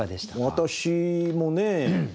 私もね